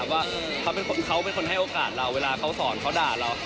ว่าเขาเป็นคนให้โอกาสเราเวลาเขาสอนเขาด่าเรา